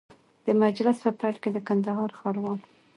د مجلس په پیل کي د کندهار ښاروال